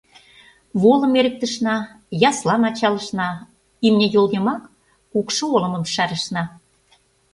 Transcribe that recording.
Волым эрыктышна, яслам ачалышна, имне йол йымак кукшо олымым шарышна.